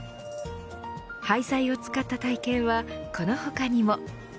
廃材を使った体験はこの他にも。